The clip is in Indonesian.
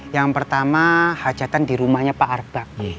yang pertama hajatan di rumahnya pak arbak